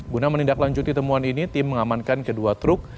guna menindaklanjuti temuan ini tim mengamankan kedua truk